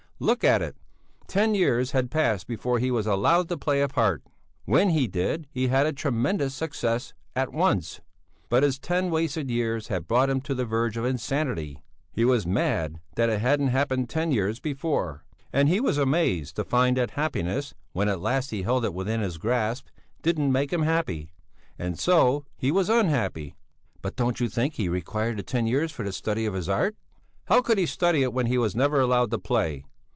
Look at it! Ten years had passed before he was allowed to play a part. When he did, he had a tremendous success at once. But his ten wasted years had brought him to the verge of insanity; he was mad that it hadn't happened ten years before. And he was amazed to find that happiness when at last he held it within his grasp didn't make him happy! And so he was unhappy." "But don't you think he required the ten years for the study of his art?" "How could he study it when he was never allowed to play?